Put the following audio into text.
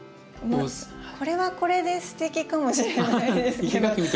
これはこれですてきかもしれないですけど。